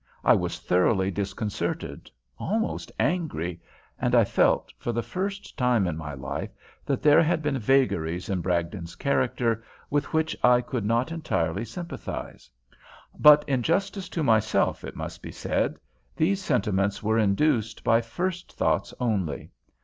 I was thoroughly disconcerted, almost angry, and I felt, for the first time in my life, that there had been vagaries in Bragdon's character with which I could not entirely sympathize; but in justice to myself, it must be said, these sentiments were induced by first thoughts only.